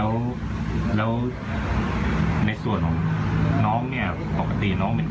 แล้วแล้วในส่วนของน้องเนี้ยปกติน้องเป็นคนเรียนดีหรือว่า